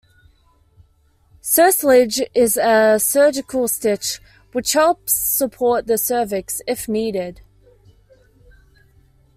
Cerclage is a surgical stitch which helps support the cervix if needed.